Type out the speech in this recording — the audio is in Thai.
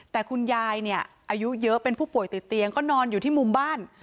แต่คุณยายเนี่ยอายุเยอะเป็นผู้ป่วยติดเตียงก็นอนอยู่ที่มุมบ้าน